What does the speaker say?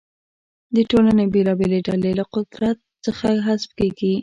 د ټولنې بېلابېلې ډلې له قدرت څخه حذف کیږي.